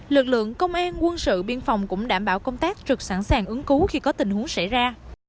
lực lượng công an quân sự biên phòng cũng đảm bảo công tác trực sẵn sàng ứng cứu khi có tình huống xảy ra